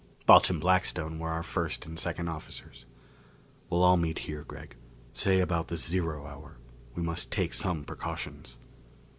Balch and Blackstone were our first and second officers. "We'll all meet here, Gregg say about the zero hour. We must take some precautions."